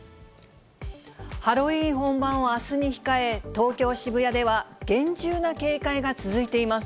ハロウィーン本番をあすに控え、東京・渋谷では厳重な警戒が続いています。